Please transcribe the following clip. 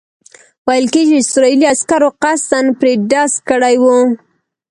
ویل کېږي اسرائیلي عسکرو قصداً پرې ډز کړی وو.